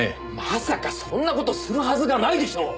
まさかそんな事するはずがないでしょう！